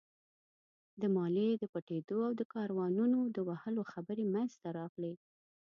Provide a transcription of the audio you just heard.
د ماليې د پټېدو او د کاروانونو د وهلو خبرې مينځته راغلې.